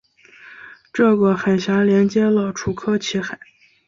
这个海峡连接了楚科奇海。